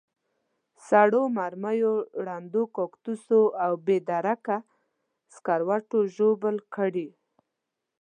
سړو مرمیو، ړندو کارتوسو او بې درکه سکروټو ژوبل کړي.